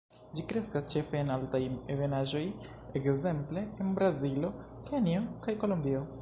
Ĝi kreskas ĉefe en altaj ebenaĵoj, ekzemple, en Brazilo, Kenjo kaj Kolombio.